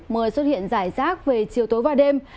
mưa xuất hiện rải rác về chiều tối và đêm